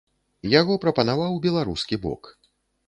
Яго прапанаваў беларускі бок.